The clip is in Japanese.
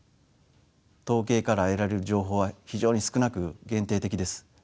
統計から得られる情報は非常に少なく限定的です。